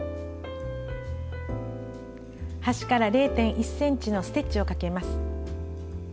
端から０．１ｃｍのステッチをかけます。